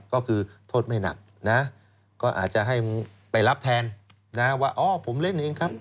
ก็คือโทษไม่หนักนะก็อาจจะให้ไปรับแทนนะว่าอ๋อผมเล่นเองครับ